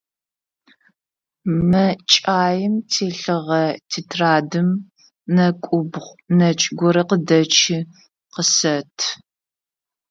МэкӀаим телъыгъэ тетрадым нэкӀубгъо нэкӀ горэ къыдэчи, къысэт.